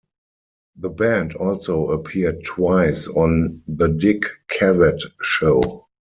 The band also appeared twice on "The Dick Cavett Show".